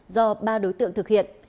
do ba đối tượng thực hiện